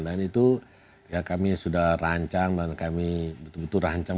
dan itu ya kami sudah rancang dan kami betul betul rancang